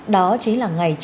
đó chính là